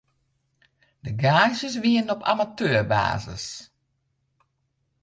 De gaazjes wienen op amateurbasis.